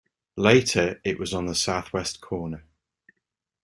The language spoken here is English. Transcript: Later it was on the southwest corner.